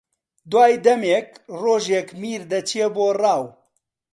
دوای دەمێک ڕۆژێک میر دەچێ بۆ ڕاو